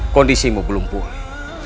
kondisimu belum pulih